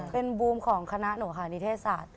เป็นบูมของคณะหนูค่ะนิเทศศาสตร์